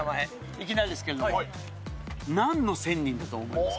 いきなりですけれども、なんの仙人だと思いますか。